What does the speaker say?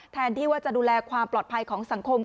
แทนที่ว่าจะดูแลความปลอดภัยของสังคม